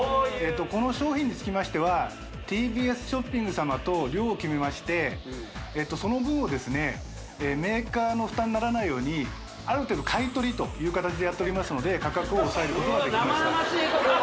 この商品につきましては「ＴＢＳショッピング」様と量を決めましてその分をですねメーカーの負担にならないようにある程度買い取りという形でやっておりますので価格を抑えることができましたうわ